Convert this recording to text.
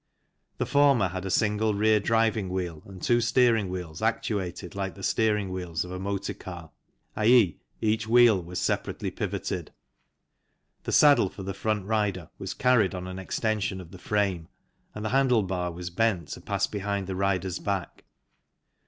The former had a single rear driving wheel and two steering wheels actuated like the steering wheels of a motor car, i.e. each wheel was separately pivoted. The saddle for the front rider was carried on an extension of the frame and the handle bar was bent to pass behind the rider's back.